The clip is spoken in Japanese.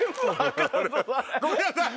ごめんなさい！